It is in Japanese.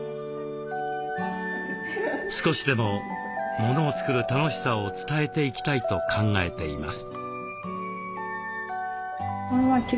少しでもものを作る楽しさを伝えていきたいと考えています。